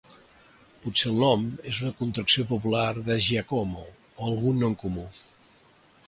Potser el nom és una contracció popular de Giacomo o algun nom comú.